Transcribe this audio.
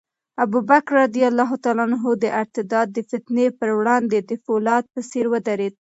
ابوبکر رض د ارتداد د فتنې پر وړاندې د فولاد په څېر ودرېد.